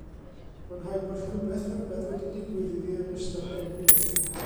Mae'n rhaid bod rhywbeth rhyfedd wedi digwydd iddi yn ystod deng mlynedd.